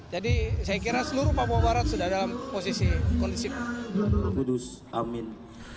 jadi saya kira seluruh papua barat sudah dalam posisi kondusif